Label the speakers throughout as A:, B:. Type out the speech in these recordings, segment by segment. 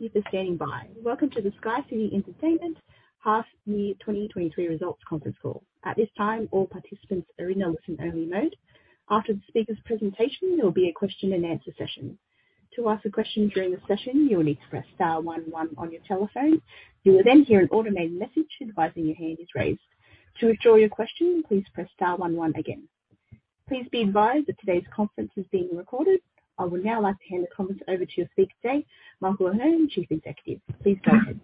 A: Thank you for standing by. Welcome to the SkyCity Entertainment half year 2023 results conference call. At this time, all participants are in a listen-only mode. After the speaker's presentation, there will be a question-and-answer session. To ask a question during the session, you will need to press star one one on your telephone. You will then hear an automated message advising your hand is raised. To withdraw your question, please press star one one again. Please be advised that today's conference is being recorded. I would now like to hand the conference over to your speaker today, Michael Ahearne, Chief Executive. Please go ahead.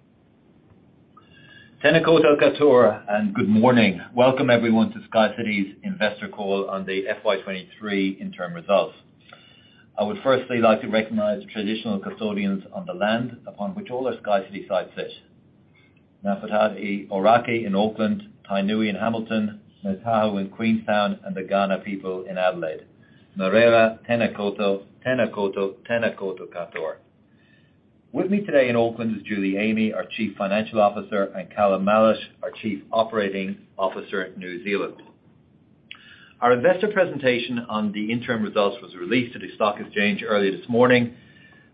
B: Good morning. Welcome everyone to SkyCity's investor call on the FY 23 interim results. I would firstly like to recognize the traditional custodians of the land upon which all our SkyCity sites sit. Ngāpuhi, Ōrākei in Auckland, Tainui in Hamilton, Ngāi Tahu in Queenstown, and the Kaurna people in Adelaide. With me today in Auckland is Julie Amey, our Chief Financial Officer, and Callum Mallett, our Chief Operating Officer in New Zealand. Our investor presentation on the interim results was released to the stock exchange earlier this morning.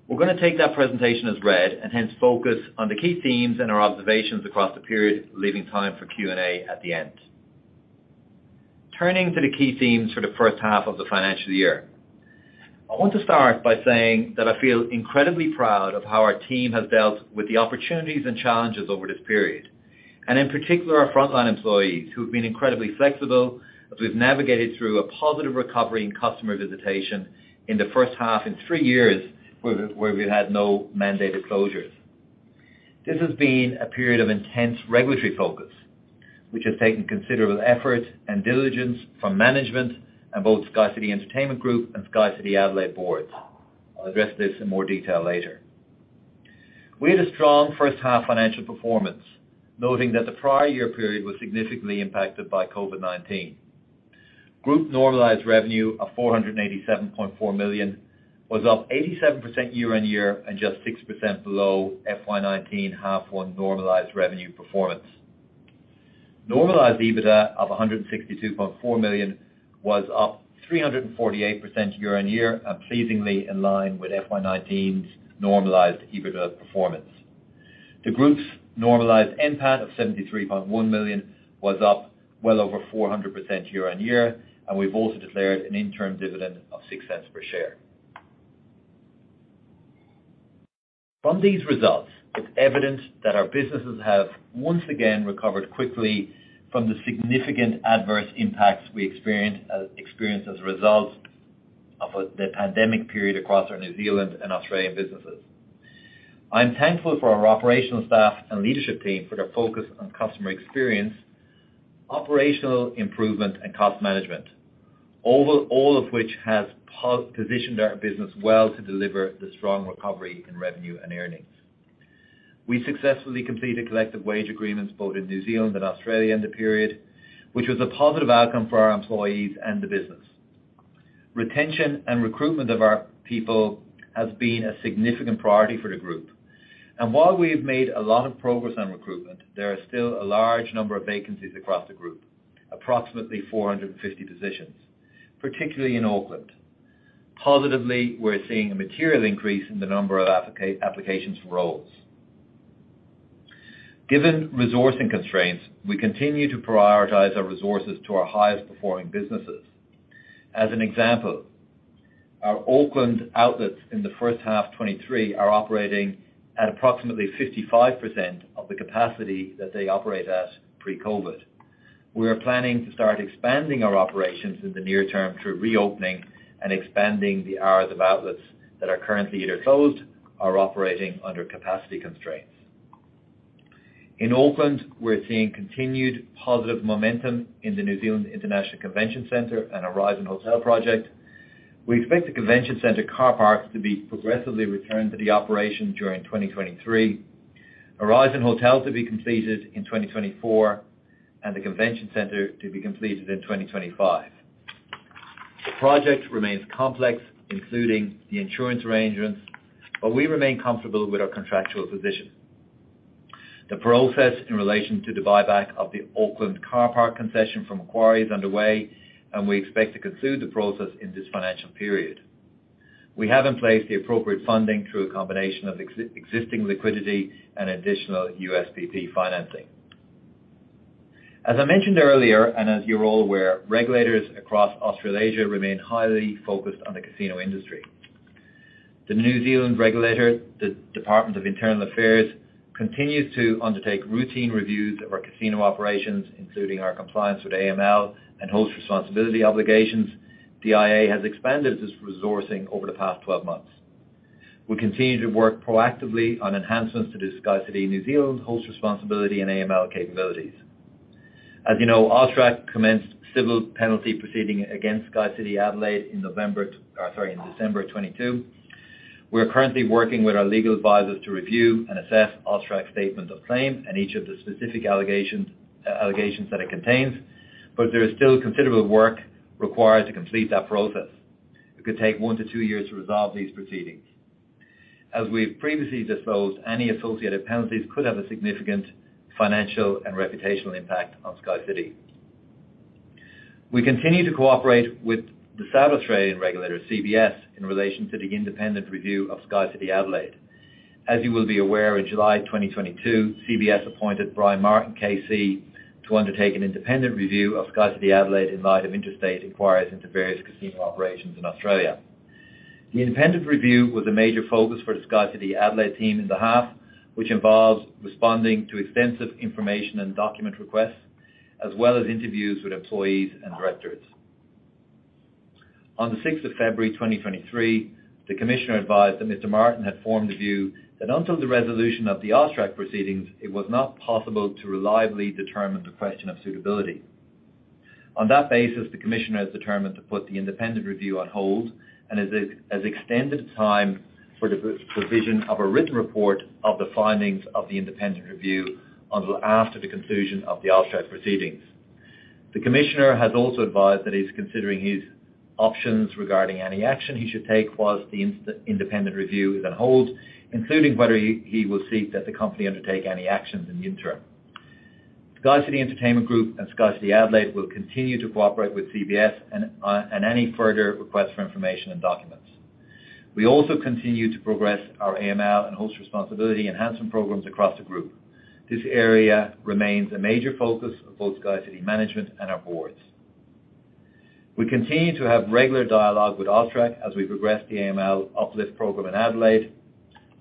B: We're gonna take that presentation as read and hence focus on the key themes and our observations across the period, leaving time for Q&A at the end. Turning to the key themes for the first half of the financial year. I want to start by saying that I feel incredibly proud of how our team has dealt with the opportunities and challenges over this period. In particular, our frontline employees, who've been incredibly flexible as we've navigated through a positive recovery in customer visitation in the first half in 3 years where we've had no mandated closures. This has been a period of intense regulatory focus, which has taken considerable effort and diligence from management and both SkyCity Entertainment Group and SkyCity Adelaide boards. I'll address this in more detail later. We had a strong first half financial performance, noting that the prior year period was significantly impacted by COVID-19. Group normalized revenue of 487.4 million was up 87% year-on-year and just 6% below FY19 half one normalized revenue performance. Normalized EBITDA of 162.4 million was up 348% year-on-year and pleasingly in line with FY2019's normalized EBITDA performance. The group's normalized NPAT of 73.1 million was up well over 400% year-on-year, and we've also declared an interim dividend of 0.06 per share. From these results, it's evident that our businesses have once again recovered quickly from the significant adverse impacts we experienced as a result of the pandemic period across our New Zealand and Australian businesses. I'm thankful for our operational staff and leadership team for their focus on customer experience, operational improvement and cost management, all of which has positioned our business well to deliver the strong recovery in revenue and earnings. We successfully completed collective wage agreements both in New Zealand and Australia in the period, which was a positive outcome for our employees and the business. Retention and recruitment of our people has been a significant priority for the group. While we have made a lot of progress on recruitment, there are still a large number of vacancies across the group, approximately 450 positions, particularly in Auckland. Positively, we're seeing a material increase in the number of applications for roles. Given resourcing constraints, we continue to prioritize our resources to our highest performing businesses. As an example, our Auckland outlets in the first half 2023 are operating at approximately 55% of the capacity that they operate at pre-COVID. We are planning to start expanding our operations in the near term through reopening and expanding the hours of outlets that are currently either closed or operating under capacity constraints. In Auckland, we're seeing continued positive momentum in the New Zealand International Convention Centre and Horizon Hotel project. We expect the convention center car parks to be progressively returned to the operation during 2023. Horizon Hotel to be completed in 2024, and the convention center to be completed in 2025. The project remains complex, including the insurance arrangements, but we remain comfortable with our contractual position. The process in relation to the buyback of the Auckland Car Park Concession from Macquarie is underway, and we expect to conclude the process in this financial period. We have in place the appropriate funding through a combination of existing liquidity and additional USPP financing. As I mentioned earlier, and as you're all aware, regulators across Australasia remain highly focused on the casino industry. The New Zealand regulator, the Department of Internal Affairs, continues to undertake routine reviews of our casino operations, including our compliance with AML and host responsibility obligations. DIA has expanded its resourcing over the past 12 months. We continue to work proactively on enhancements to the SkyCity New Zealand host responsibility and AML capabilities. As you know, AUSTRAC commenced civil penalty proceeding against SkyCity Adelaide in November, in December of 2022. We are currently working with our legal advisors to review and assess AUSTRAC statement of claim and each of the specific allegations that it contains. There is still considerable work required to complete that process. It could take one to two years to resolve these proceedings. As we've previously disclosed, any associated penalties could have a significant financial and reputational impact on SkyCity. We continue to cooperate with the South Australian regulator, CBS, in relation to the independent review of SkyCity Adelaide. As you will be aware, in July 2022, CBS appointed Brian Martin KC to undertake an independent review of SkyCity Adelaide in light of interstate inquiries into various casino operations in Australia. The independent review was a major focus for the SkyCity Adelaide team in the half, which involves responding to extensive information and document requests, as well as interviews with employees and directors. On the 6th of February 2023, the commissioner advised that Mr. Martin had formed the view that until the resolution of the AUSTRAC proceedings, it was not possible to reliably determine the question of suitability. On that basis, the commissioner has determined to put the independent review on hold and has extended time for the provision of a written report of the findings of the independent review until after the conclusion of the AUSTRAC proceedings. The commissioner has also advised that he's considering his options regarding any action he should take whilst the independent review is on hold, including whether he will seek that the company undertake any actions in the interim. SkyCity Entertainment Group and SkyCity Adelaide will continue to cooperate with CBS and any further requests for information and documents. We also continue to progress our AML and host responsibility enhancement programs across the group. This area remains a major focus of both SkyCity management and our boards. We continue to have regular dialogue with AUSTRAC as we progress the AML uplift program in Adelaide.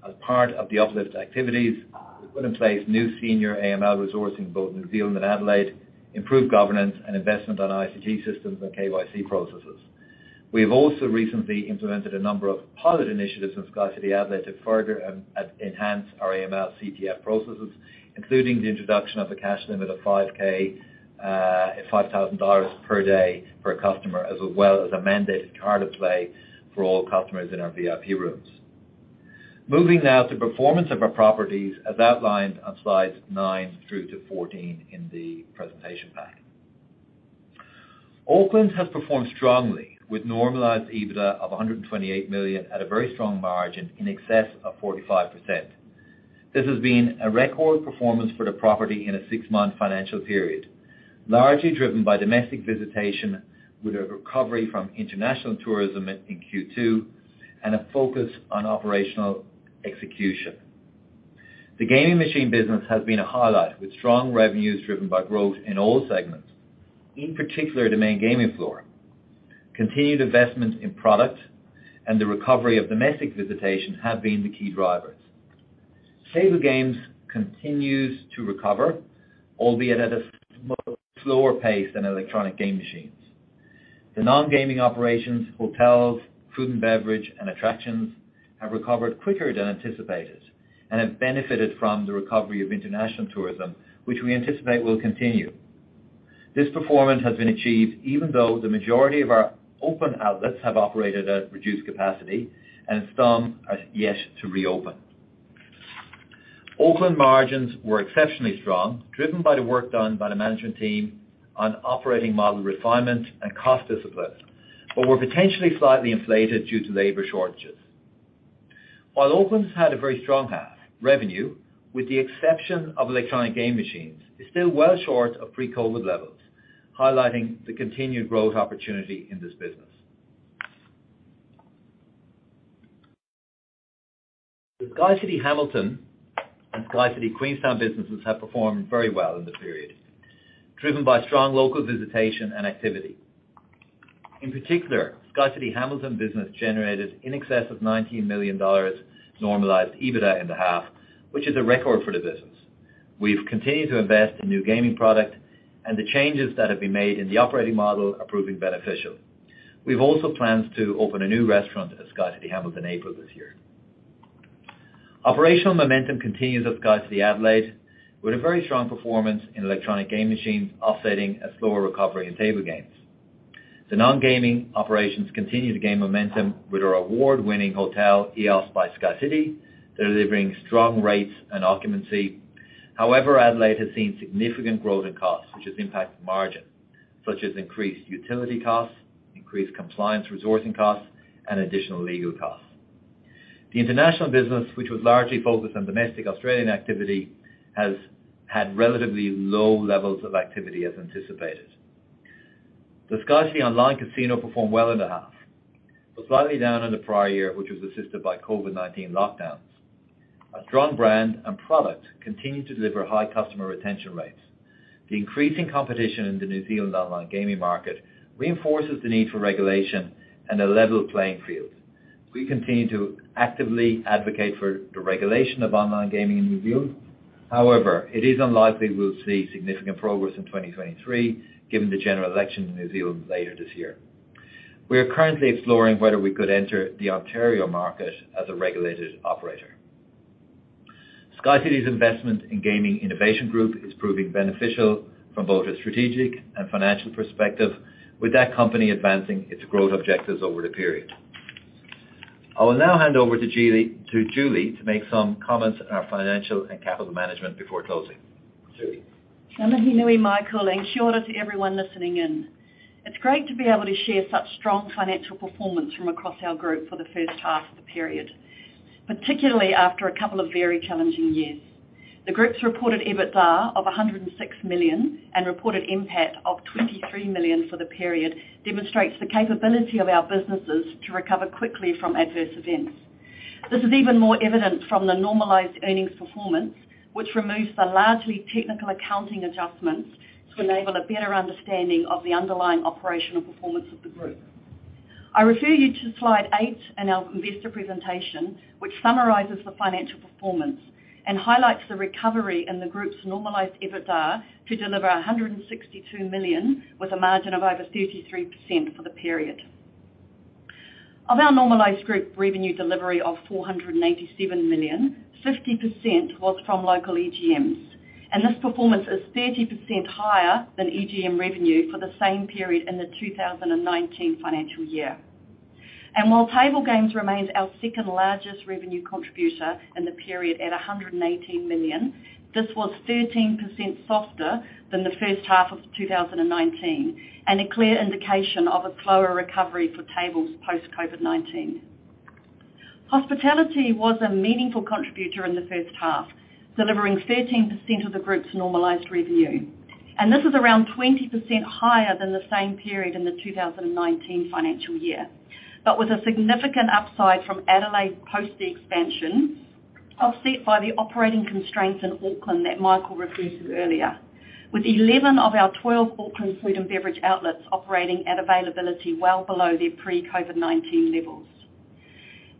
B: As part of the uplift activities, we put in place new senior AML resourcing both in New Zealand and Adelaide, improved governance and investment on ICG systems and KYC processes. We have also recently implemented a number of pilot initiatives in SkyCity Adelaide to further enhance our AML CTF processes, including the introduction of a cash limit of 5K, 5,000 dollars per day for a customer, as well as a mandated card of play for all customers in our VIP rooms. Moving now to performance of our properties as outlined on slides 9 through to 14 in the presentation pack. Auckland has performed strongly with normalized EBITDA of 128 million at a very strong margin in excess of 45%. This has been a record performance for the property in a six-month financial period, largely driven by domestic visitation with a recovery from international tourism in Q2 and a focus on operational execution. The gaming machine business has been a highlight with strong revenues driven by growth in all segments, in particular the main gaming floor. Continued investment in product and the recovery of domestic visitation have been the key drivers. Table games continues to recover, albeit at a slower pace than electronic game machines. The non-gaming operations, hotels, food and beverage, and attractions have recovered quicker than anticipated and have benefited from the recovery of international tourism, which we anticipate will continue. This performance has been achieved even though the majority of our open outlets have operated at reduced capacity and some are yet to reopen. Auckland margins were exceptionally strong, driven by the work done by the management team on operating model refinement and cost discipline, but were potentially slightly inflated due to labor shortages. While Auckland has had a very strong half, revenue, with the exception of electronic game machines, is still well short of pre-COVID levels, highlighting the continued growth opportunity in this business. The SkyCity Hamilton and SkyCity Queenstown businesses have performed very well in the period, driven by strong local visitation and activity. In particular, SkyCity Hamilton business generated in excess of 19 million dollars normalized EBITDA in the half, which is a record for the business. We've continued to invest in new gaming product, and the changes that have been made in the operating model are proving beneficial. We've also planned to open a new restaurant at SkyCity Hamilton in April this year. Operational momentum continues at SkyCity Adelaide, with a very strong performance in electronic game machines offsetting a slower recovery in table games. The non-gaming operations continue to gain momentum with our award-winning hotel, EOS by SkyCity. They're delivering strong rates and occupancy. Adelaide has seen significant growth in costs, which has impacted margin, such as increased utility costs, increased compliance resourcing costs, and additional legal costs. The international business, which was largely focused on domestic Australian activity, has had relatively low levels of activity as anticipated. The SkyCity online casino performed well in the half, but slightly down in the prior year, which was assisted by COVID-19 lockdowns. A strong brand and product continued to deliver high customer retention rates. The increasing competition in the New Zealand online gaming market reinforces the need for regulation and a level playing field. We continue to actively advocate for the regulation of online gaming in New Zealand. However, it is unlikely we'll see significant progress in 2023, given the general election in New Zealand later this year. We are currently exploring whether we could enter the Ontario market as a regulated operator. SkyCity's investment in Gaming Innovation Group is proving beneficial from both a strategic and financial perspective, with that company advancing its growth objectives over the period. I will now hand over to Julie to make some comments on our financial and capital management before closing. Julie.
C: Michael, and to everyone listening in. It's great to be able to share such strong financial performance from across our group for the first half of the period, particularly after a couple of very challenging years. The group's reported EBITDA of 106 million and reported NPAT of 23 million for the period demonstrates the capability of our businesses to recover quickly from adverse events. This is even more evident from the normalized earnings performance, which removes the largely technical accounting adjustments to enable a better understanding of the underlying operational performance of the group. I refer you to slide 8 in our investor presentation, which summarizes the financial performance and highlights the recovery in the group's normalized EBITDA to deliver 162 million, with a margin of over 33% for the period. Of our normalized group revenue delivery of 487 million, 50% was from local EGMs. This performance is 30% higher than EGM revenue for the same period in the 2019 financial year. While table games remains our second-largest revenue contributor in the period at 118 million, this was 13% softer than the first half of 2019 and a clear indication of a slower recovery for tables post COVID-19. Hospitality was a meaningful contributor in the first half, delivering 13% of the group's normalized revenue, and this is around 20% higher than the same period in the 2019 financial year. With a significant upside from Adelaide post the expansion, offset by the operating constraints in Auckland that Michael referred to earlier. With 11 of our 12 Auckland food and beverage outlets operating at availability well below their pre-COVID-19 levels.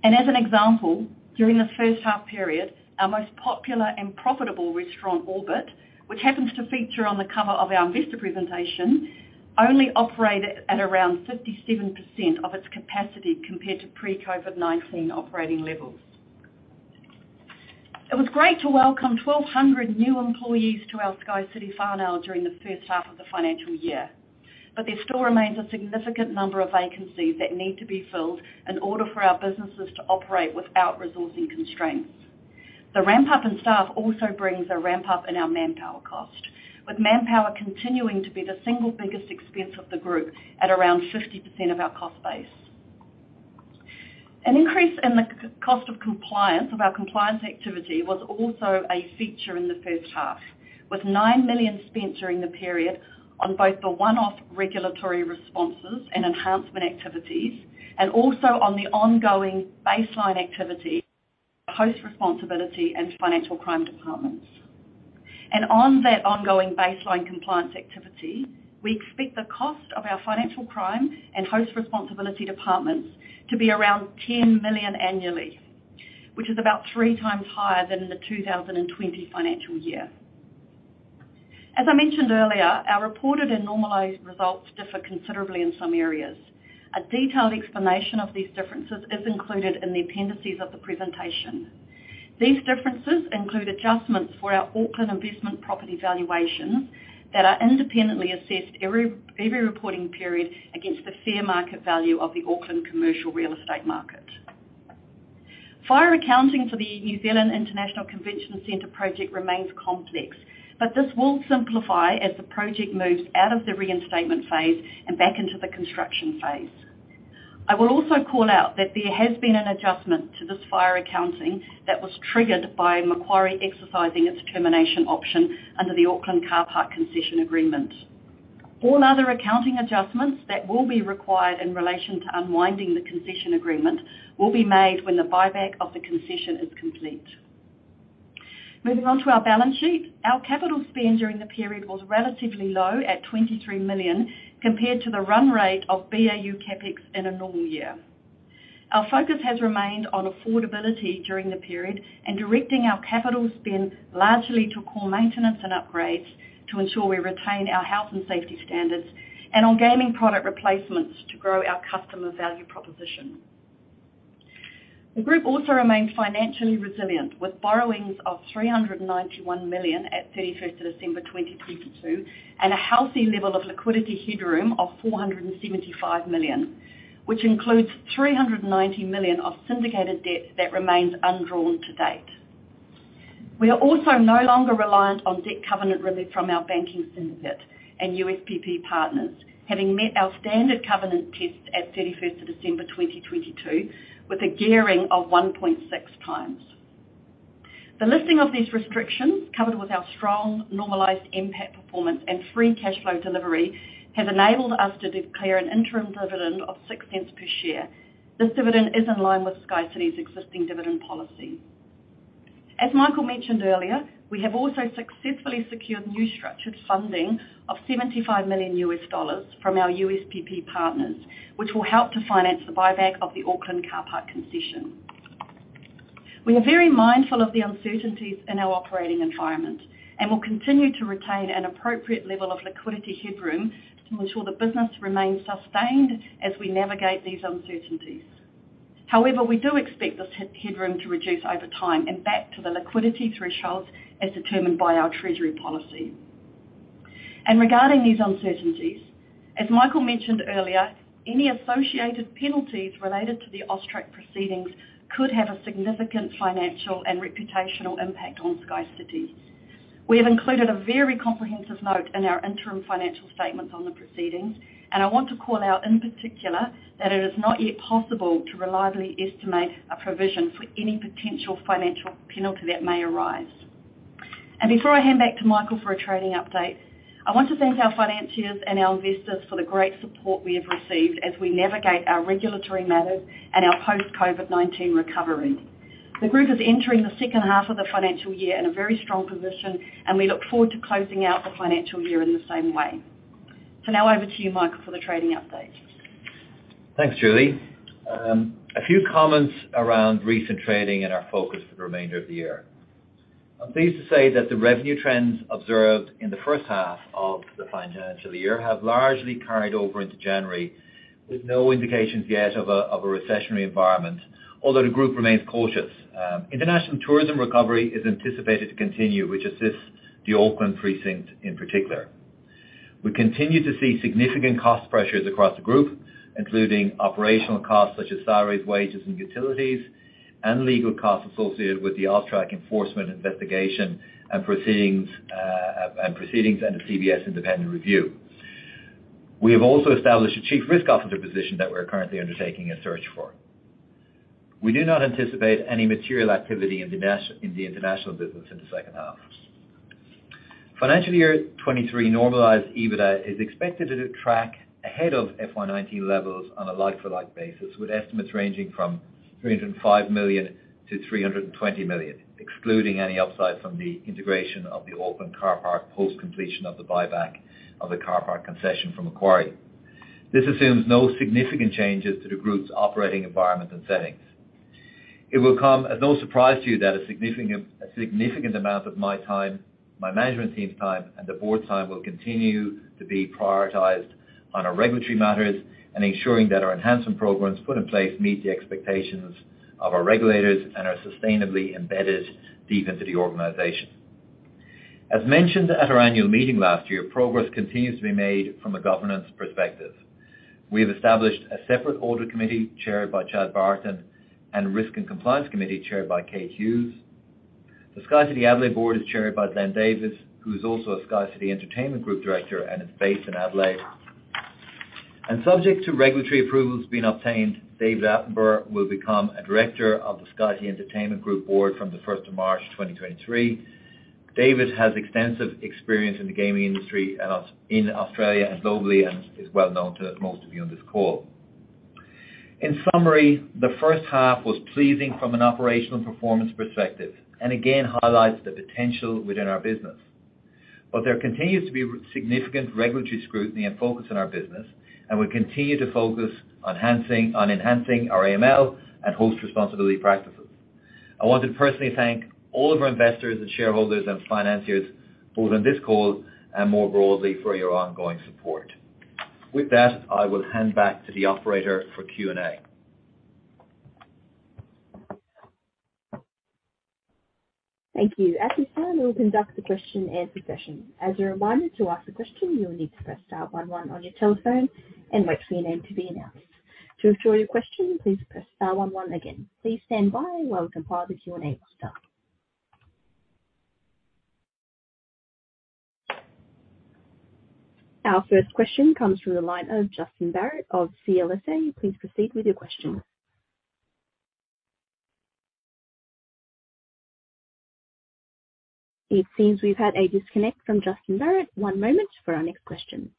C: As an example, during the first half period, our most popular and profitable restaurant, Orbit, which happens to feature on the cover of our investor presentation, only operated at around 57% of its capacity compared to pre-COVID-19 operating levels. It was great to welcome 1,200 new employees to our SkyCity whānau during the first half of the financial year, there still remains a significant number of vacancies that need to be filled in order for our businesses to operate without resourcing constraints. The ramp up in staff also brings a ramp up in our manpower cost, with manpower continuing to be the single biggest expense of the group at around 50% of our cost base. An increase in the cost of our compliance activity was also a feature in the first half, with 9 million spent during the period on both the one-off regulatory responses and enhancement activities, and also on the ongoing baseline activity, Host Responsibility and Financial Crime departments. On that ongoing baseline compliance activity, we expect the cost of our Financial Crime and Host Responsibility departments to be around 10 million annually, which is about three times higher than in the 2020 financial year. As I mentioned earlier, our reported and normalized results differ considerably in some areas. A detailed explanation of these differences is included in the appendices of the presentation. These differences include adjustments for our Auckland investment property valuations that are independently assessed every reporting period against the fair market value of the Auckland commercial real estate market. Fair accounting for the New Zealand International Convention Center project remains complex, but this will simplify as the project moves out of the reinstatement phase and back into the construction phase. I will also call out that there has been an adjustment to this fair accounting that was triggered by Macquarie exercising its termination option under the Auckland Car Park Concession agreement. All other accounting adjustments that will be required in relation to unwinding the concession agreement will be made when the buyback of the concession is complete. Moving on to our balance sheet. Our capital spend during the period was relatively low at 23 million, compared to the run rate of BAU CapEx in a normal year. Our focus has remained on affordability during the period and directing our capital spend largely to core maintenance and upgrades to ensure we retain our health and safety standards and on gaming product replacements to grow our customer value proposition. The group also remains financially resilient, with borrowings of 391 million at 31st of December 2022 and a healthy level of liquidity headroom of 475 million, which includes 390 million of syndicated debt that remains undrawn to date. We are also no longer reliant on debt covenant relief from our banking syndicate and USPP partners, having met our standard covenant tests at 31st of December 2022 with a gearing of 1.6 times. The lifting of these restrictions, coupled with our strong normalized NPAT performance and free cash flow delivery, have enabled us to declare an interim dividend of 0.06 per share. This dividend is in line with SkyCity's existing dividend policy. As Michael mentioned earlier, we have also successfully secured new structured funding of $75 million from our USPP partners, which will help to finance the buyback of the Auckland Car Park Concession. We are very mindful of the uncertainties in our operating environment and will continue to retain an appropriate level of liquidity headroom to ensure the business remains sustained as we navigate these uncertainties. However, we do expect this headroom to reduce over time and back to the liquidity thresholds as determined by our treasury policy. Regarding these uncertainties, as Michael mentioned earlier, any associated penalties related to the AUSTRAC proceedings could have a significant financial and reputational impact on SkyCity. We have included a very comprehensive note in our interim financial statements on the proceedings, and I want to call out in particular that it is not yet possible to reliably estimate a provision for any potential financial penalty that may arise. Before I hand back to Michael for a trading update, I want to thank our financiers and our investors for the great support we have received as we navigate our regulatory matters and our post-COVID-19 recovery. The group is entering the second half of the financial year in a very strong position, and we look forward to closing out the financial year in the same way. Now over to you, Michael, for the trading update.
B: Thanks, Julie. A few comments around recent trading and our focus for the remainder of the year. I'm pleased to say that the revenue trends observed in the first half of the financial year have largely carried over into January, with no indications yet of a recessionary environment, although the group remains cautious. International tourism recovery is anticipated to continue, which assists the Auckland precinct in particular. We continue to see significant cost pressures across the group, including operational costs such as salaries, wages, and utilities and legal costs associated with the AUSTRAC enforcement investigation and proceedings and the CBS independent review. We have also established a chief risk officer position that we're currently undertaking a search for. We do not anticipate any material activity in the international business in the second half. Financial year 2023 normalized EBITDA is expected to track ahead of FY 2019 levels on a like-for-like basis, with estimates ranging from 305 million-320 million, excluding any upside from the integration of the Auckland Car Park post completion of the buyback of the Car Park Concession from Macquarie. This assumes no significant changes to the group's operating environment and settings. It will come as no surprise to you that a significant amount of my time, my management team's time, and the Board's time will continue to be prioritized on our regulatory matters and ensuring that our enhancement programs put in place meet the expectations of our regulators and are sustainably embedded deep into the organization. As mentioned at our annual meeting last year, progress continues to be made from a governance perspective. We have established a separate Audit Committee chaired by Chad Barton and Risk and Compliance Committee chaired by Kate Hughes. The SkyCity Adelaide board is chaired by Glenn Davis, who is also a SkyCity Entertainment Group director and is based in Adelaide. Subject to regulatory approvals being obtained, David Attenborough will become a director of the SkyCity Entertainment Group board from the first of March 2023. David has extensive experience in the gaming industry in Australia and globally and is well known to most of you on this call. In summary, the first half was pleasing from an operational performance perspective and again highlights the potential within our business. There continues to be significant regulatory scrutiny and focus on our business, and we continue to focus on enhancing our AML and host responsibility practices. I want to personally thank all of our investors and shareholders and financiers, both on this call and more broadly for your ongoing support. With that, I will hand back to the operator for Q&A.
A: Thank you. At this time, we'll conduct the question and session. As a reminder, to ask a question, you will need to press star one one on your telephone and wait for your name to be announced. To withdraw your question, please press star one one again. Please stand by while we compile the Q&A start. Our first question comes from the line of Justin Barratt of CLSA. Please proceed with your question. It seems we've had a disconnect from Justin Barratt. One moment for our next question.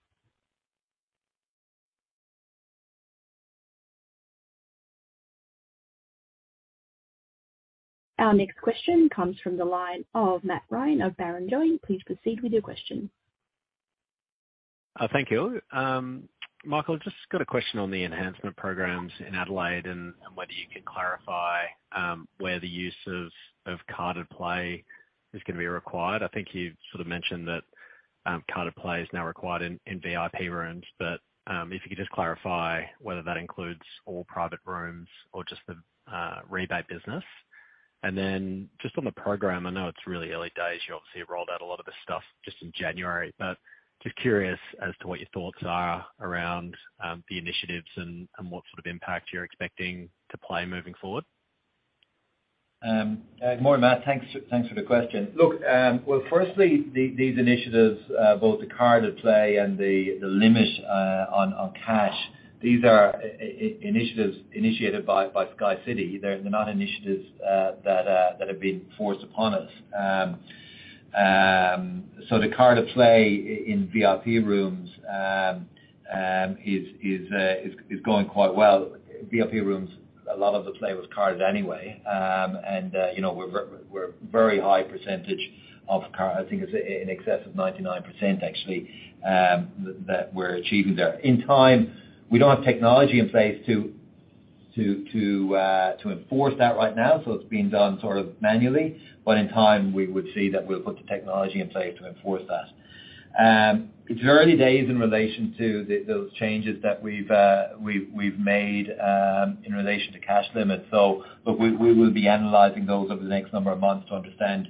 A: Our next question comes from the line of Matt Ryan of Barrenjoey. Please proceed with your question.
D: Thank you. Michael, just got a question on the enhancement programs in Adelaide and whether you can clarify where the use of carded play is gonna be required. I think you sort of mentioned that carded play is now required in VIP rooms. If you could just clarify whether that includes all private rooms or just the rebate business. Just on the program, I know it's really early days. You obviously rolled out a lot of the stuff just in January, but just curious as to what your thoughts are around the initiatives and what sort of impact you're expecting to play moving forward.
B: Morning Matt. Thanks for the question. Well, firstly, these initiatives, both the carded play and the limit on cash, these are initiatives initiated by SkyCity. They're not initiatives that have been forced upon us. So the carded play in VIP rooms is going quite well. VIP rooms, a lot of the play was carded anyway. You know, we're very high percentage of card. I think it's in excess of 99% actually, that we're achieving there. In time, we don't have technology in place to enforce that right now, so it's being done sort of manually. In time we would see that we'll put the technology in place to enforce that. It's early days in relation to those changes that we've made in relation to cash limits. We will be analyzing those over the next number of months to understand,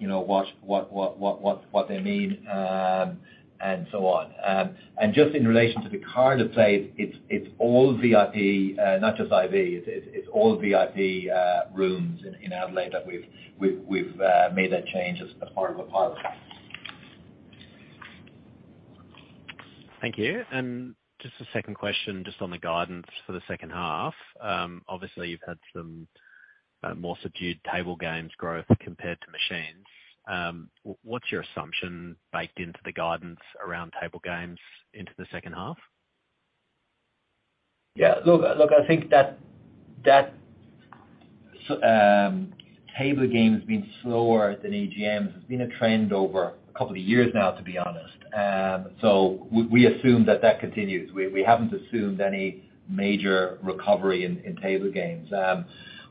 B: you know, what they mean and so on. And just in relation to the carded plays, it's all VIP, not just IV. It's all VIP rooms in Adelaide that we've made that change as part of a pilot.
D: Thank you. Just a second question, just on the guidance for the second half. Obviously you've had some more subdued table games growth compared to machines. What's your assumption baked into the guidance around table games into the second half?
B: Look, I think that table games being slower than AGMs has been a trend over two years now, to be honest. We assume that that continues. We haven't assumed any major recovery in table games.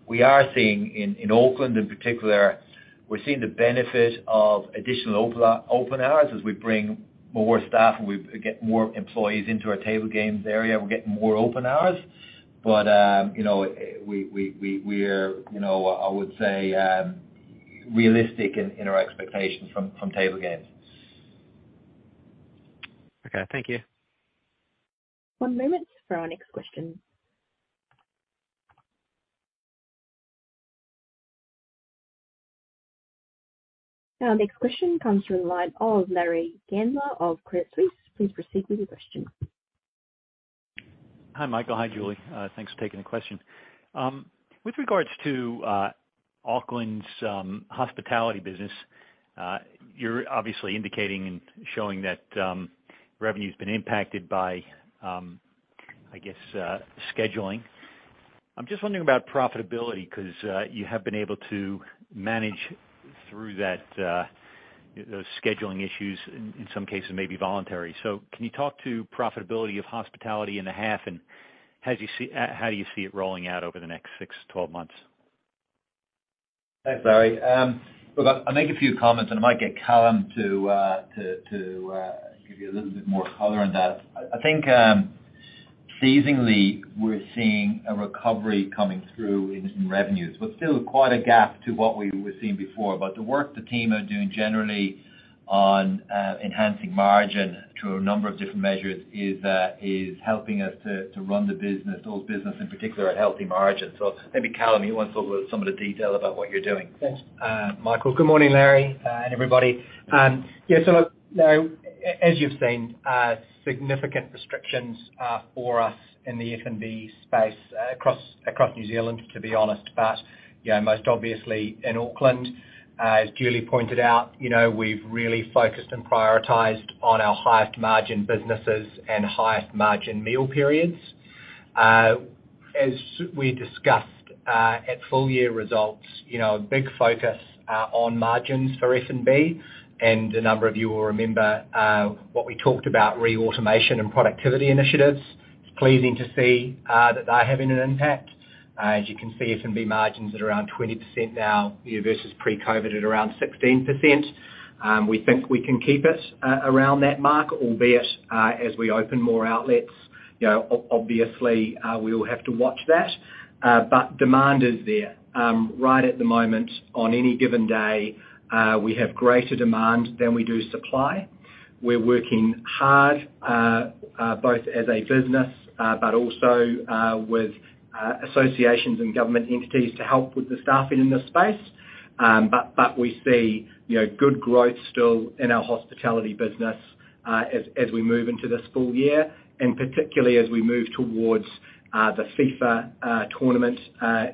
B: We are seeing in Auckland in particular, we're seeing the benefit of additional open hours. As we bring more staff and we get more employees into our table games area, we're getting more open hours. You know, we're, you know, I would say realistic in our expectations from table games.
D: Okay, thank you.
A: One moment for our next question. Our next question comes from the line of Larry Gandler of Credit Suisse. Please proceed with your question.
E: Hi, Michael. Hi, Julie. Thanks for taking the question. With regards to Auckland's hospitality business, you're obviously indicating and showing that revenue's been impacted by, I guess, scheduling. I'm just wondering about profitability, 'cause, you have been able to manage through that, those scheduling issues in some cases may be voluntary. Can you talk to profitability of hospitality in the half, and how do you see it rolling out over the next six to 12 months?
B: Thanks, Larry. Look, I'll make a few comments, and I might get Calum to give you a little bit more color on that. I think seasonally we're seeing a recovery coming through in some revenues, still quite a gap to what we were seeing before. The work the team are doing generally on enhancing margin through a number of different measures is helping us to run the business, all business in particular, at healthy margins. Maybe Calum, you want to talk about some of the detail about what you're doing.
F: Thanks, Michael. Good morning, Larry, and everybody. Look, you know, as you've seen, significant restrictions for us in the F&B space across New Zealand, to be honest, but, you know, most obviously in Auckland. As Julie pointed out, you know, we've really focused and prioritized on our highest margin businesses and highest margin meal periods. As we discussed at full year results, you know, a big focus on margins for F&B, and a number of you will remember what we talked about re automation and productivity initiatives. It's pleasing to see that they're having an impact. As you can see, F&B margins at around 20% now versus pre-COVID at around 16%. We think we can keep it around that mark, albeit, as we open more outlets, you know, obviously, we will have to watch that. Demand is there. Right at the moment, on any given day, we have greater demand than we do supply. We're working hard, both as a business, but also with associations and government entities to help with the staffing in this space. We see, you know, good growth still in our hospitality business, as we move into this full year, and particularly as we move towards the FIFA tournament,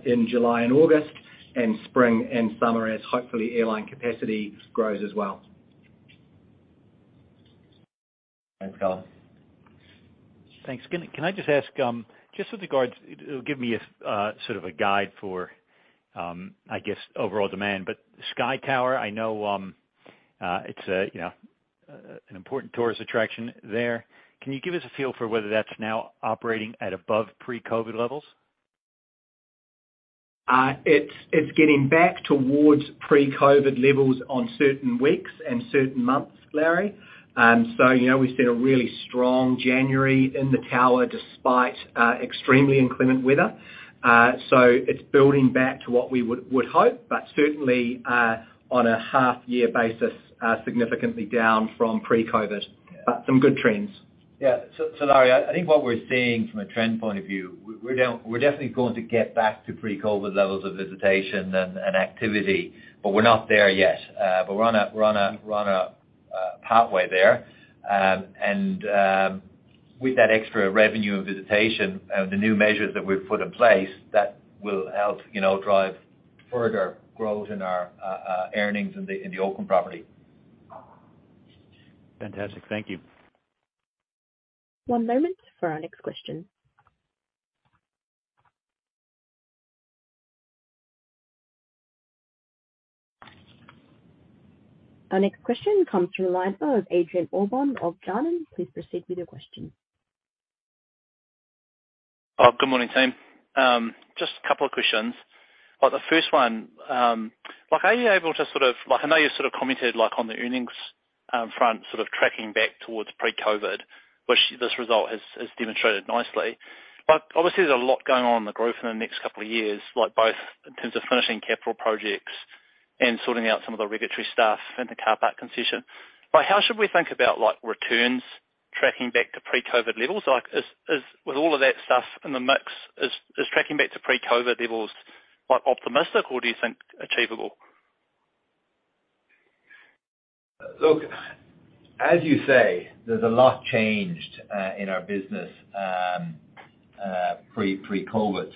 F: in July and August and spring and summer as hopefully airline capacity grows as well.
B: Thanks, Calum.
E: Thanks. Can I just ask, just with regards... Give me a sort of a guide for, I guess, overall demand. Sky Tower, I know, it's a, you know, an important tourist attraction there. Can you give us a feel for whether that's now operating at above pre-COVID levels?
F: It's getting back towards pre-COVID levels on certain weeks and certain months, Larry. You know, we've seen a really strong January in the tower despite extremely inclement weather. It's building back to what we would hope, but certainly on a half year basis significantly down from pre-COVID.
E: Yeah.
F: Some good trends.
B: Larry, I think what we're seeing from a trend point of view, we're definitely going to get back to pre-COVID levels of visitation and activity, but we're not there yet. We're on a pathway there. With that extra revenue and visitation and the new measures that we've put in place, that will help, you know, drive further growth in our earnings in the Auckland property.
E: Fantastic. Thank you.
A: One moment for our next question. Our next question comes from the line of Adrian Allbon of Jarden. Please proceed with your question.
G: Good morning, team. Just a couple of questions. The first one, like, are you able to sort of... Like, I know you sort of commented, like, on the earnings front, sort of tracking back towards pre-COVID, which this result has demonstrated nicely. Obviously there's a lot going on in the growth in the next couple of years, like both in terms of finishing capital projects and sorting out some of the regulatory stuff in the Car Park Concession. How should we think about, like, returns tracking back to pre-COVID levels? Like, is, with all of that stuff in the mix, is tracking back to pre-COVID levels, like, optimistic or do you think achievable?
B: Look, as you say, there's a lot changed in our business pre-COVID.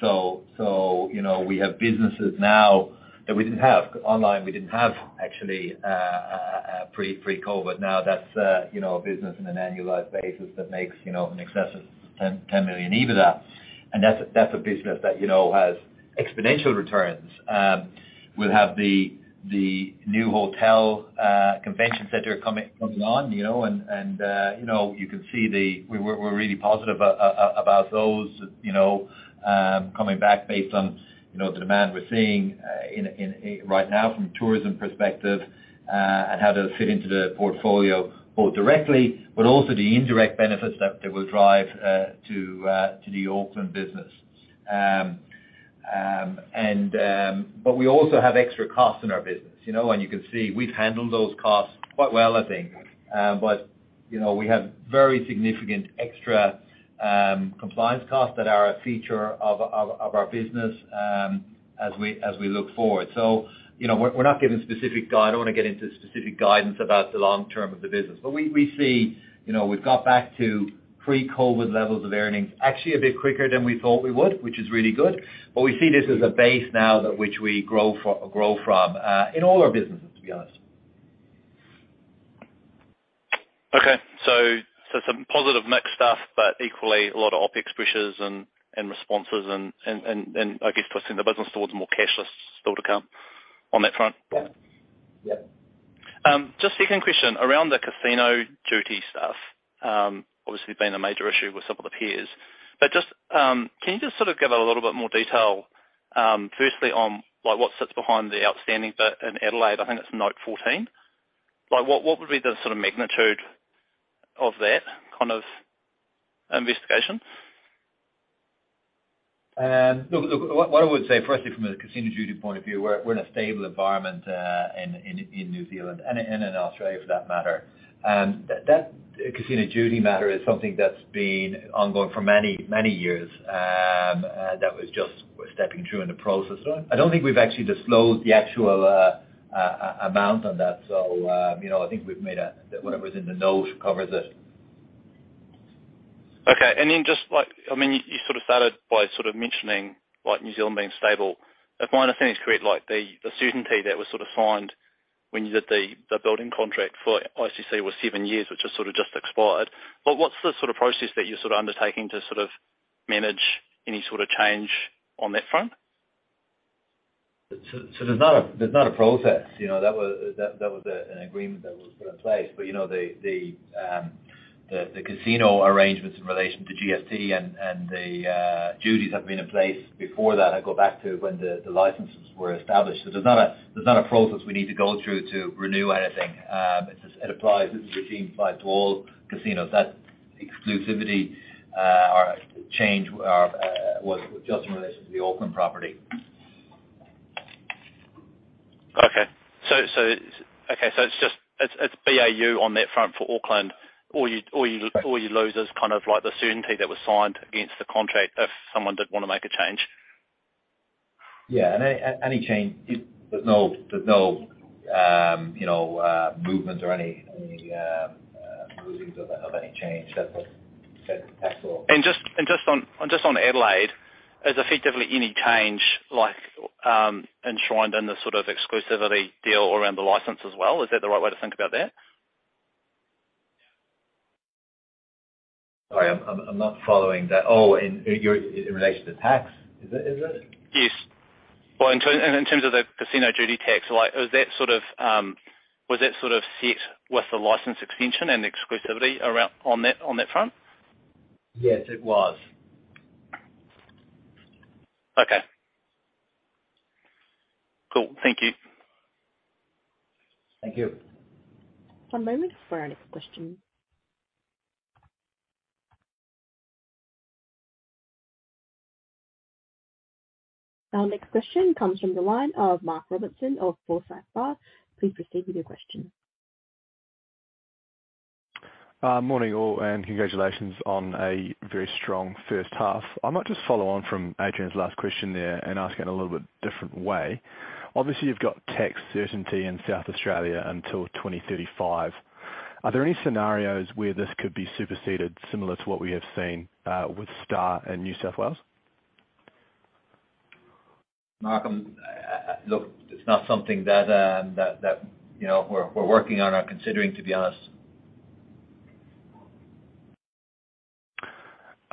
B: You know, we have businesses now that we didn't have online, we didn't have actually pre-COVID. That's, you know, a business in an annualized basis that makes, you know, in excess of 10 million EBITDA. That's a business that, you know, has exponential returns. We'll have the new hotel convention center coming on, you know. We're really positive about those, you know, coming back based on, you know, the demand we're seeing in right now from tourism perspective, and how they'll fit into the portfolio both directly, but also the indirect benefits that they will drive to the Auckland business. We also have extra costs in our business, you know, and you can see we've handled those costs quite well, I think. You know, we have very significant extra compliance costs that are a feature of our business as we look forward. You know, I don't wanna get into specific guidance about the long term of the business. We see, you know, we've got back to pre-COVID levels of earnings actually a bit quicker than we thought we would, which is really good. We see this as a base now that which we grow from in all our businesses, to be honest.
G: Okay. Some positive mix stuff, equally a lot of OpEx pressures and responses and I guess twisting the business towards more cashless still to come on that front?
B: Yeah. Yeah.
G: Just 2nd question. Around the casino duty stuff, obviously been a major issue with some of the peers. Just, can you just sort of give a little bit more detail, firstly on, like, what sits behind the outstanding bit in Adelaide? I think it's note 14. Like, what would be the sort of magnitude of that kind of investigation?
B: Look, what I would say firstly from a casino duty point of view, we're in a stable environment in New Zealand and Australia for that matter. That casino duty matter is something that's been ongoing for many years, that was just stepping through in the process. I don't think we've actually disclosed the actual amount on that. You know, I think we've made a... Whatever is in the note covers it.
G: Okay. Just like... I mean, you sort of started by sort of mentioning like New Zealand being stable. If my understanding is correct, like the certainty that was sort of signed when you did the building contract for ICC was seven years, which has sort of just expired. What's the sort of process that you're sort of undertaking to sort of manage any sort of change on that front?
B: There's not a, there's not a process. You know, that was an agreement that was put in place. You know, the casino arrangements in relation to GST and the duties have been in place before that. I go back to when the licenses were established. There's not a, there's not a process we need to go through to renew anything. It's just, it applies. This regime applies to all casinos. That exclusivity or change was just in relation to the Auckland property.
G: Okay. It's just, it's BAU on that front for Auckland. All you lose is kind of like the certainty that was signed against the contract if someone did wanna make a change.
B: Yeah. Any change. There's no, you know, movement or any rumblings of any change.
G: Just on Adelaide, is effectively any change like, enshrined in the sort of exclusivity deal around the license as well? Is that the right way to think about that?
B: Sorry, I'm not following that. Oh, in relation to tax, is it?
G: Yes. Well, in terms of the casino duty tax. Like, is that sort of set with the license extension and exclusivity on that front?
B: Yes, it was.
G: Okay. Cool. Thank you.
B: Thank you.
A: One moment for our next question. Our next question comes from the line of Mark Robertson of Forsyth Barr. Please proceed with your question.
H: Morning, all. Congratulations on a very strong first half. I might just follow on from Adrian's last question there and ask it in a little bit different way. Obviously, you've got tax certainty in South Australia until 2035. Are there any scenarios where this could be superseded, similar to what we have seen with Star in New South Wales?
B: Mark, look, it's not something that, you know, we're working on or considering, to be honest.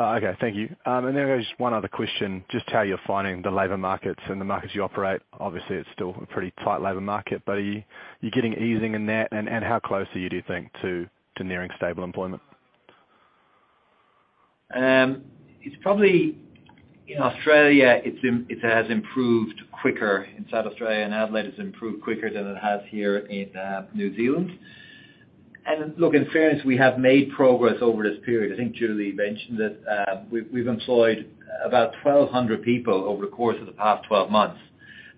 H: Oh, okay. Thank you. I guess one other question, just how you're finding the labor markets in the markets you operate. Obviously, it's still a pretty tight labor market, are you getting easing in that, and how close are you, do you think, to nearing stable employment?
B: It's probably In Australia, it has improved quicker in South Australia, Adelaide has improved quicker than it has here in New Zealand. Look, in fairness, we have made progress over this period. I think Julie mentioned it. We've employed about 1,200 people over the course of the past 12 months.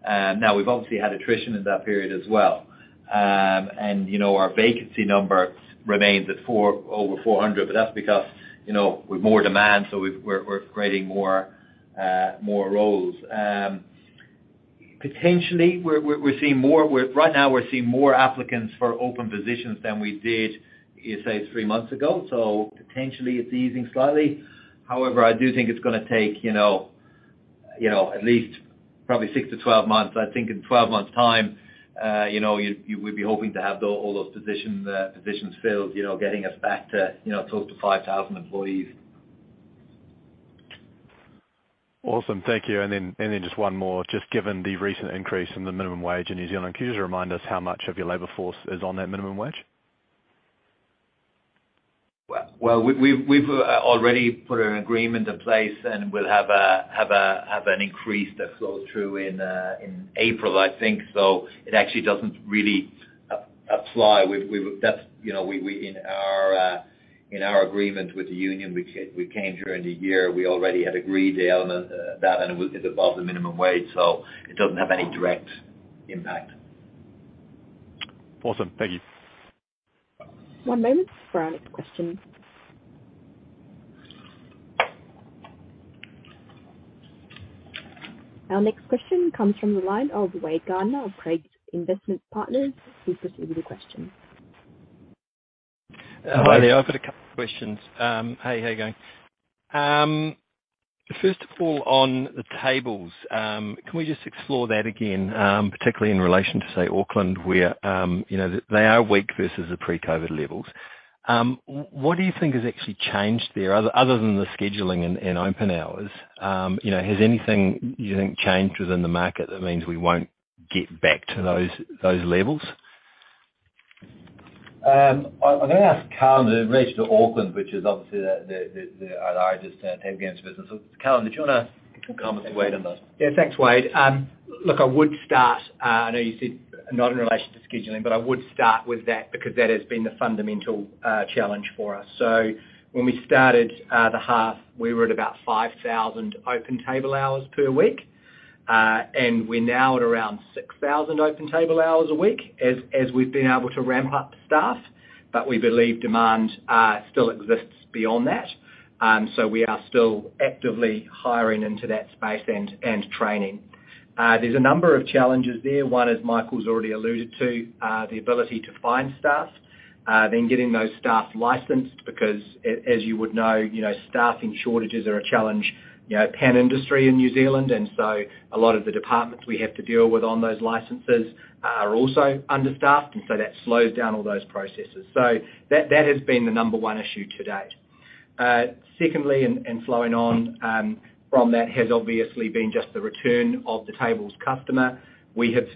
B: Now we've obviously had attrition in that period as well. And you know, our vacancy number remains at four, over 400, but that's because, you know, we've more demand, so we're creating more roles. Potentially we're seeing more applicants for open positions than we did, say, 3 months ago. Potentially it's easing slightly. However, I do think it's gonna take, you know, at least probably 6-12 months. I think in 12 months time, you know, you would be hoping to have all those positions filled, you know, getting us back to, you know, close to 5,000 employees.
H: Awesome. Thank you. Then, just one more. Just given the recent increase in the minimum wage in New Zealand, can you just remind us how much of your labor force is on that minimum wage?
B: Well, we've already put an agreement in place, and we'll have an increase that flows through in April, I think. It actually doesn't really apply. That's, you know, we in our agreement with the union, which we came during the year, we already had agreed to element that, and it was above the minimum wage, so it doesn't have any direct impact.
H: Awesome. Thank you.
A: One moment for our next question. Our next question comes from the line of Wade Gardiner of Craigs Investment Partners. Please proceed with your question.
I: Hi there. I've got a couple of questions. Hey, how are you going? First of all, on the tables, can we just explore that again, particularly in relation to, say, Auckland, where, you know, they are weak versus the pre-COVID levels. What do you think has actually changed there other than the scheduling and open hours? You know, has anything you think changed within the market that means we won't get back to those levels?
B: I'm gonna ask Calum in relation to Auckland, which is obviously the largest table games business. Calum, did you wanna comment to Wade on this?
F: Yeah. Thanks, Wade. Look, I would start, I know you said not in relation to scheduling, but I would start with that because that has been the fundamental challenge for us. When we started the half, we were at about 5,000 open table hours per week, and we're now at around 6,000 open table hours a week as we've been able to ramp up staff. We believe demand still exists beyond that. We are still actively hiring into that space and training. There's a number of challenges there. One, as Michael's already alluded to, the ability to find staff, then getting those staff licensed because as you would know, you know, staffing shortages are a challenge, you know, pan-industry in New Zealand, and so a lot of the departments we have to deal with on those licenses are also understaffed, and so that slows down all those processes. That, that has been the number one issue to date. Secondly, flowing on from that has obviously been just the return of the tables customer. We have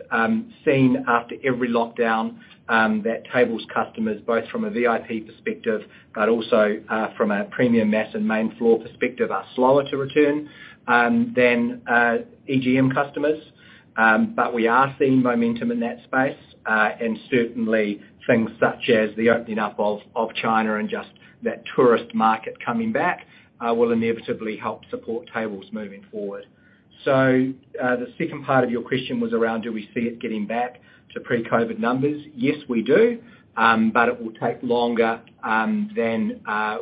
F: seen after every lockdown that tables customers, both from a VIP perspective but also from a premium mass and main floor perspective, are slower to return than EGM customers. We are seeing momentum in that space. Certainly things such as the opening up of China and just that tourist market coming back, will inevitably help support tables moving forward. The second part of your question was around do we see it getting back to pre-COVID numbers? Yes, we do. It will take longer than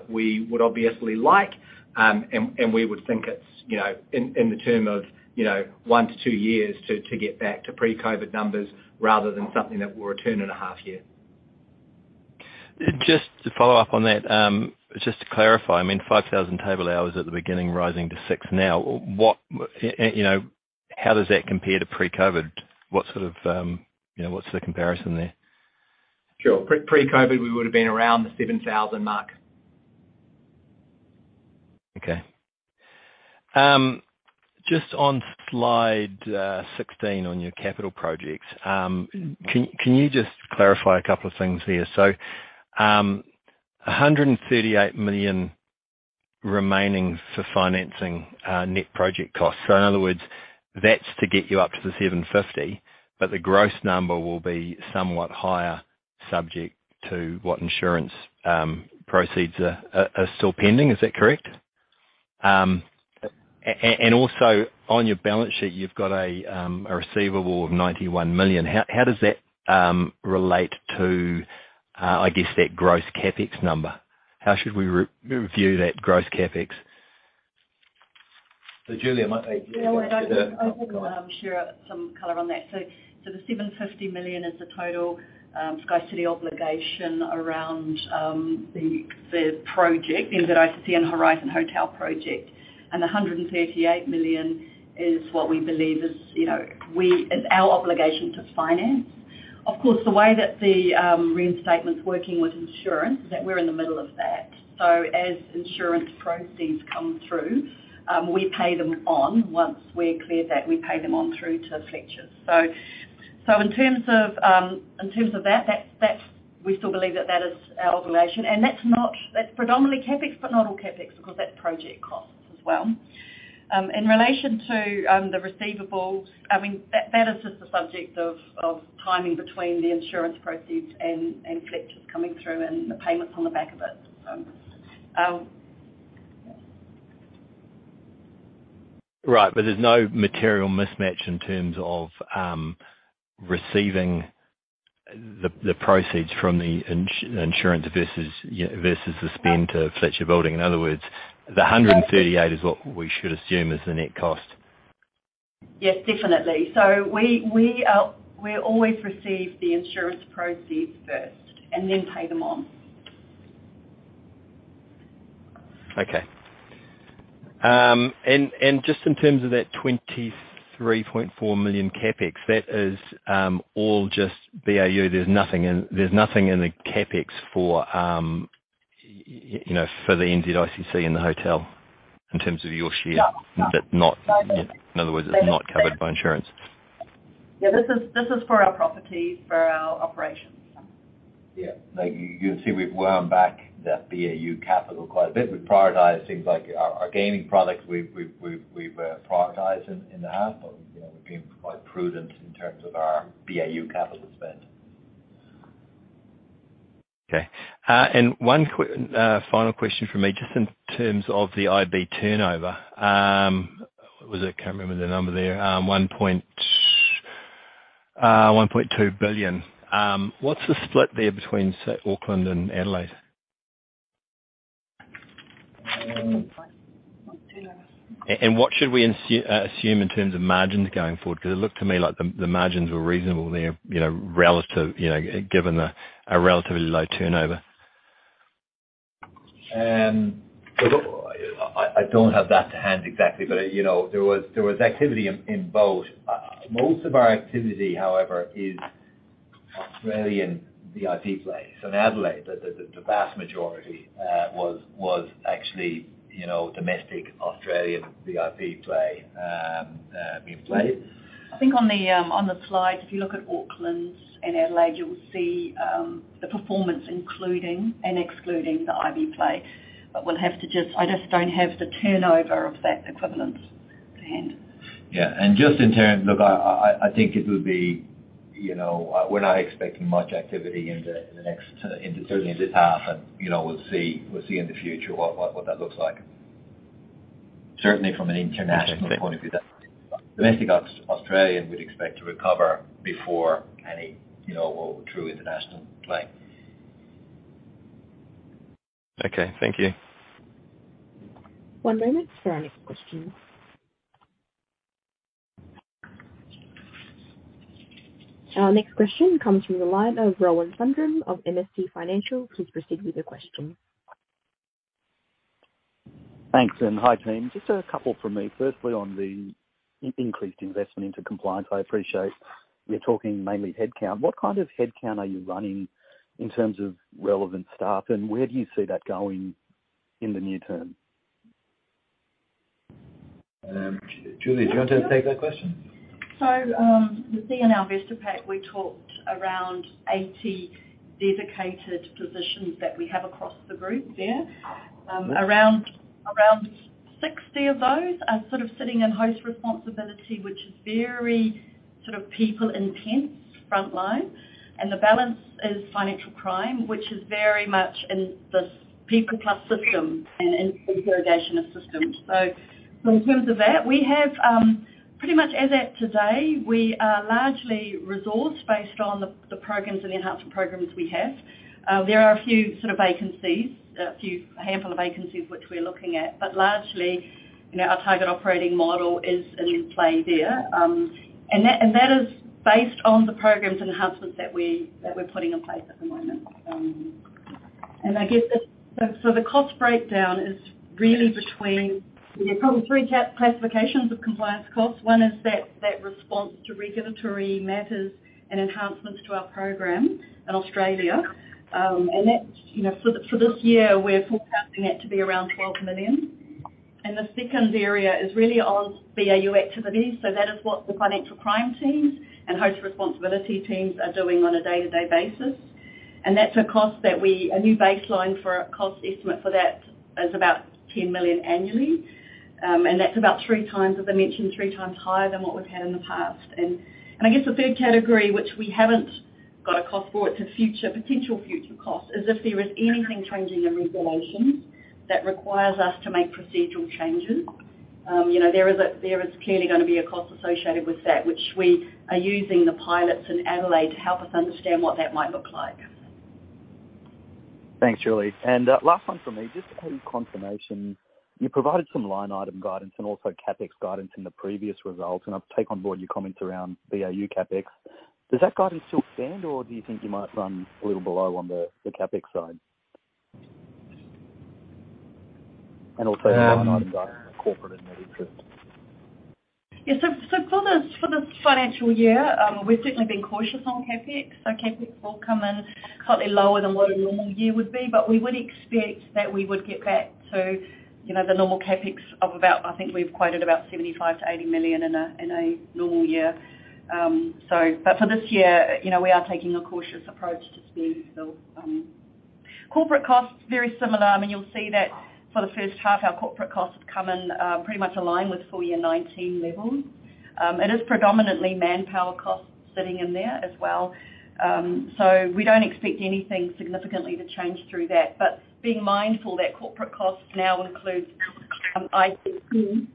F: we would obviously like, and we would think it's, you know, in the term of, you know, one to two years to get back to pre-COVID numbers rather than something that will return in a half year.
I: Just to follow up on that, just to clarify, I mean, 5,000 table hours at the beginning, rising to 6 now. What, you know, how does that compare to pre-COVID? What sort of, you know, what's the comparison there?
F: Sure. Pre-COVID, we would've been around the 7,000 mark.
I: Okay. Just on slide 16 on your capital projects. Can you just clarify a couple of things here? In other words, that's to get you up to the 750, but the gross number will be somewhat higher subject to what insurance proceeds are still pending. Is that correct? Also on your balance sheet, you've got a receivable of 91 million. How does that relate to, I guess that gross CapEx number? How should we re-review that gross CapEx?
B: Julie might be able to.
C: I'll share some color on that. The 750 million is the total SkyCity obligation around the project, the NZICC and Horizon Hotel project. The 138 million is what we believe is, you know, it's our obligation to finance. Of course, the way that the reinstatement's working with insurance is that we're in the middle of that. As insurance proceeds come through, we pay them on. Once we clear that, we pay them on through to Fletchers. In terms of, in terms of that's we still believe that that is our obligation. That's predominantly CapEx, but not all CapEx because that's project costs as well. In relation to the receivables, that is just the subject of timing between the insurance proceeds and Fletchers coming through and the payments on the back of it.
I: There's no material mismatch in terms of receiving the proceeds from the insurance versus the spend to Fletcher Building. In other words, 138 is what we should assume is the net cost.
C: Yes, definitely. We always receive the insurance proceeds first and then pay them on.
I: Okay. Just in terms of that 23.4 million CapEx, that is all just BAU. There's nothing in the CapEx for, you know, for the NZICC and the hotel in terms of your share.
C: No.
I: In other words, it's not covered by insurance.
C: Yeah, this is for our property, for our operations.
B: Yeah. Like, you can see we've won back that BAU capital quite a bit. We prioritize things like our gaming products. We've prioritized in the half, you know, we're being quite prudent in terms of our BAU capital spend.
I: Okay. One final question from me, just in terms of the IB turnover. Was it? I can't remember the number there. 1.2 billion. What's the split there between, say, Auckland and Adelaide?
C: 1.2.
I: What should we assume in terms of margins going forward? 'Cause it looked to me like the margins were reasonable there, you know, relative, you know, given the, a relatively low turnover.
B: Look, I don't have that to hand exactly. You know, there was activity in both. Most of our activity, however, is Australian VIP play. In Adelaide, the vast majority was actually, you know, domestic Australian VIP play being played.
C: I think on the, on the slide, if you look at Auckland and Adelaide, you'll see, the performance, including and excluding the IB play. I just don't have the turnover of that equivalent to hand.
B: Yeah. Look, I think it would be... You know, we're not expecting much activity in the third half. You know, we'll see in the future what that looks like. Certainly from an international point of view. Domestic Australia we'd expect to recover before any, you know, true international play.
I: Okay, thank you.
A: One moment for our next question. Our next question comes from the line of Rohan Sundram of MST Financial. Please proceed with your question.
J: Thanks. Hi, team. Just a couple from me. Firstly, on the increased investment into compliance, I appreciate you're talking mainly headcount. What kind of headcount are you running in terms of relevant staff, and where do you see that going in the near term?
B: Julie, do you want to take that question?
C: You see in our investor pack, we talked around 80 dedicated positions that we have across the group there. Around 60 of those are sort of sitting in host responsibility, which is very sort of people intense frontline, and the balance is financial crime, which is very much in this people plus system and in interrogation of systems. In terms of that, we have pretty much as at today, we are largely resourced based on the programs and the enhancement programs we have. There are a few sort of vacancies, a few handful of vacancies which we're looking at. Largely, you know, our target operating model is in play there. That is based on the programs enhancements that we're putting in place at the moment. I guess the... The cost breakdown is really between, probably three classifications of compliance costs. One is that response to regulatory matters and enhancements to our program in Australia. And that's, you know, for this year, we're forecasting that to be around 12 million. The second area is really on BAU activities. That is what the financial crime teams and host responsibility teams are doing on a day-to-day basis. That's a cost that we. A new baseline for a cost estimate for that is about 10 million annually, and that's about three times, as I mentioned, higher than what we've had in the past. I guess the third category, which we haven't got a cost for, it's a future, potential future cost, is if there is anything changing in regulation that requires us to make procedural changes. you know, there is clearly gonna be a cost associated with that, which we are using the pilots in Adelaide to help us understand what that might look like.
J: Thanks, Julie. Last one from me, just to gain confirmation, you provided some line item guidance and also CapEx guidance in the previous results, and I've take on board your comments around BAU CapEx. Does that guidance still stand, or do you think you might run a little below on the CapEx side? Also-
B: Um-
J: The line item guidance on the corporate and net interest.
C: For this, for this financial year, we've certainly been cautious on CapEx. CapEx will come in slightly lower than what a normal year would be. We would expect that we would get back to, you know, the normal CapEx of about, I think we've quoted about 75 million-80 million in a, in a normal year. For this year, you know, we are taking a cautious approach to spend. Corporate costs very similar. I mean, you'll see that for the first half, our corporate costs come in, pretty much aligned with full year 2019 levels. It is predominantly manpower costs sitting in there as well. We don't expect anything significantly to change through that. Being mindful that corporate costs now includes, I think,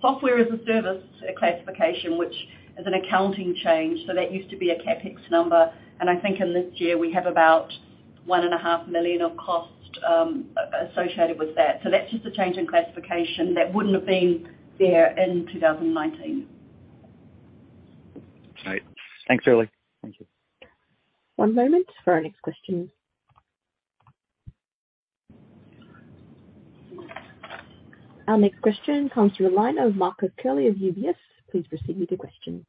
C: software as a service classification, which is an accounting change, so that used to be a CapEx number. I think in this year, we have about 1.5 million of costs associated with that. That's just a change in classification that wouldn't have been there in 2019.
J: Great. Thanks, Shirley. Thank you.
A: One moment for our next question. Our next question comes through the line of Marcus Curley of UBS. Please proceed with your question.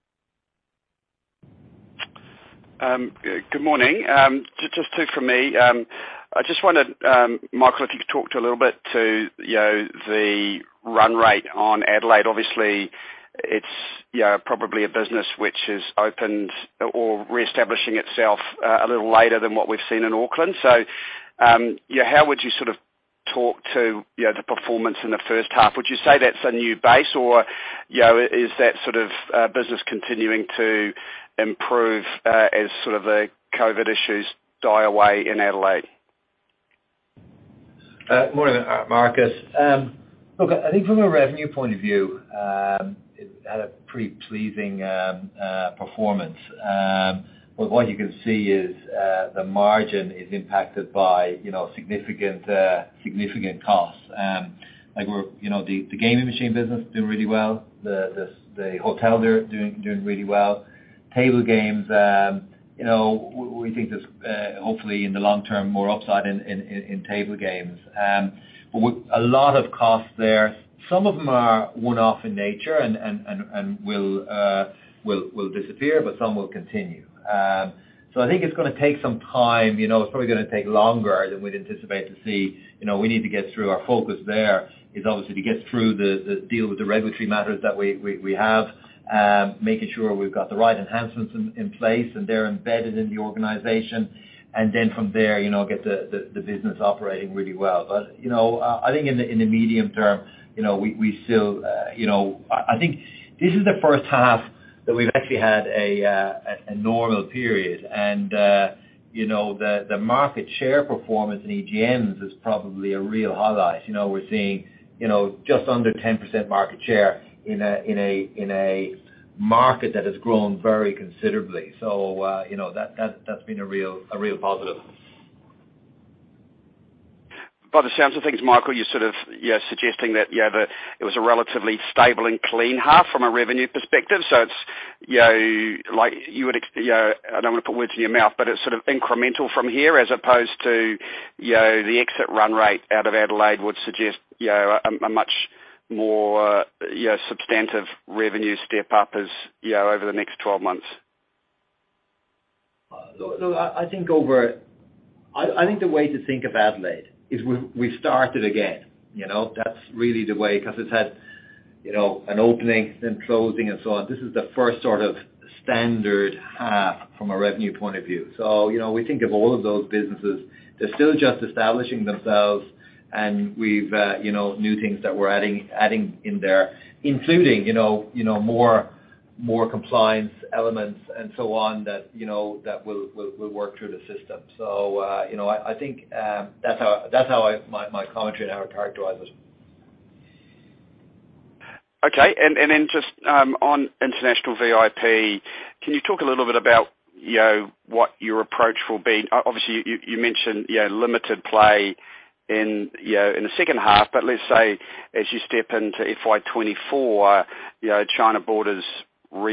K: Good morning. Just 2 from me. I just wondered, Michael, if you could talk a little bit to, you know, the run rate on Adelaide. Obviously it's, you know, probably a business which has opened or reestablishing itself a little later than what we've seen in Auckland. Yeah, how would you sort of talk to, you know, the performance in the 1st half? Would you say that's a new base or, you know, is that sort of business continuing to improve as sort of the COVID issues die away in Adelaide?
B: Morning, Marcus. Look, I think from a revenue point of view, it had a pretty pleasing performance. What you can see is, the margin is impacted by, you know, significant costs. You know, the gaming machine business is doing really well. The hotel there doing really well. Table games, you know, we think there's hopefully in the long term, more upside in table games. With a lot of costs there, some of them are one-off in nature and will disappear, but some will continue. I think it's gonna take some time. You know, it's probably gonna take longer than we'd anticipate to see. You know, we need to get through our focus there is obviously to get through the deal with the regulatory matters that we have, making sure we've got the right enhancements in place, and they're embedded in the organization. Then from there, you know, get the business operating really well. You know, I think in the medium term, you know, we still, you know, I think this is the first half that we've actually had a normal period. You know, the market share performance in EGMs is probably a real highlight. You know, we're seeing, you know, just under 10% market share in a market that has grown very considerably. You know, that's been a real positive.
K: By the sounds of things, Michael, you're sort of, suggesting that it was a relatively stable and clean half from a revenue perspective. It's, you know, like you would, you know, I don't wanna put words in your mouth, but it's sort of incremental from here as opposed to, you know, the exit run rate out of Adelaide would suggest, you know, a much more, you know, substantive revenue step-up as, you know, over the next 12 months.
B: I think the way to think of Adelaide is we started again, you know? That's really the way, 'cause it's had, you know, an opening then closing and so on. This is the first sort of standard half from a revenue point of view. You know, we think of all of those businesses, they're still just establishing themselves and we've, you know, new things that we're adding in there, including, you know, more compliance elements and so on that, you know, that will work through the system. You know, I think that's how I, my commentary on how I characterize it.
K: Okay. Then just on international VIP, can you talk a little bit about, you know, what your approach will be? Obviously, you mentioned, you know, limited play in, you know, in the second half. Let's say as you step into FY 2024, you know, China borders reopened. You know, are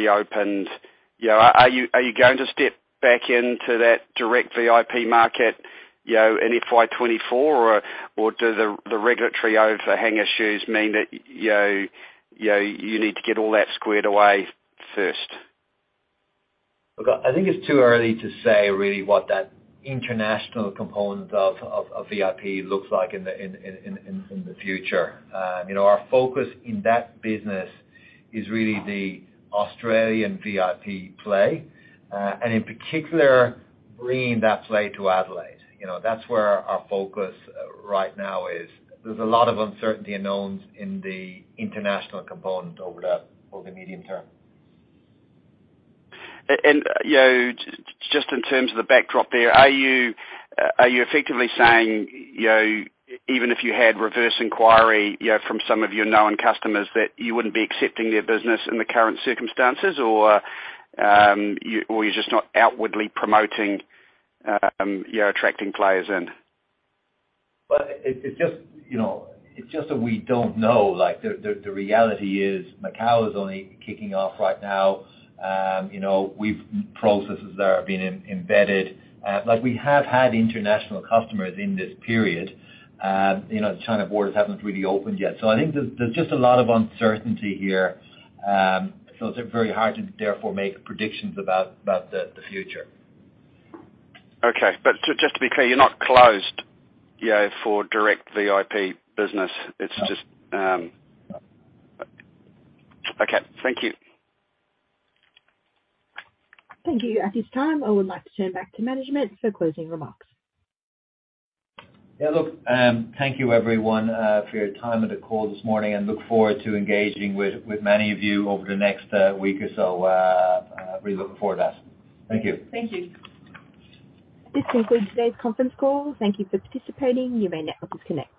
K: you going to step back into that direct VIP market, you know, in FY 2024 or do the regulatory overhang issues mean that, you know, you need to get all that squared away first?
B: Look, I think it's too early to say really what that international component of VIP looks like in the future. You know, our focus in that business is really the Australian VIP play, and in particular, bringing that play to Adelaide. You know, that's where our focus right now is. There's a lot of uncertainty and knowns in the international component over the medium term.
K: You know, just in terms of the backdrop there, are you effectively saying, you know, even if you had reverse inquiry, you know, from some of your known customers, that you wouldn't be accepting their business in the current circumstances or, you, or you're just not outwardly promoting, you know, attracting players in?
B: Well, it's just, you know, it's just that we don't know. Like, the reality is Macau is only kicking off right now. You know, we've processes that are being embedded. Like we have had international customers in this period. You know, the China borders haven't really opened yet. I think there's just a lot of uncertainty here. It's very hard to therefore make predictions about the future.
K: Okay. Just to be clear, you're not closed, you know, for direct VIP business.
B: No.
K: It's just.
B: No.
K: Okay. Thank you.
A: Thank you. At this time, I would like to turn back to management for closing remarks.
B: Yeah. Look, thank you everyone, for your time on the call this morning. Look forward to engaging with many of you over the next week or so. Really looking forward to that. Thank you.
C: Thank you.
A: This concludes today's conference call. Thank you for participating. You may now disconnect.